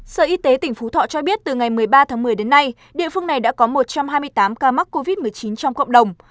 sở y tế tỉnh phú thọ cho biết từ ngày một mươi ba tháng một mươi đến nay địa phương này đã có một trăm hai mươi tám ca mắc covid một mươi chín trong cộng đồng